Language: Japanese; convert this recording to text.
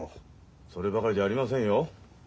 そればかりじゃありませんよ。